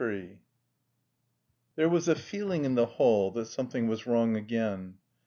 III There was a feeling in the hall that something was wrong again.